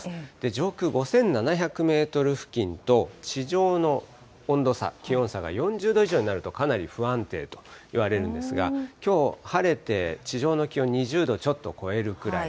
上空５７００メートル付近と、地上の温度差、気温差が４０度以上になると、かなり不安定といわれるんですが、きょう晴れて、地上の気温２０度ちょっと超えるくらい。